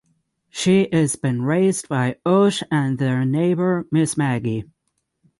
She is been raised by Osh and their neighbour Miss Magie.